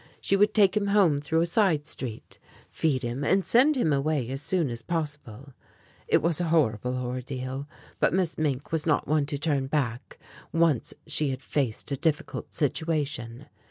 She would take him home through a side street, feed him and send him away as soon as possible. It was a horrible ordeal, but Miss Mink was not one to turn back once she had faced a difficult situation.